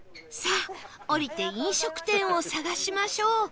さあ降りて飲食店を探しましょう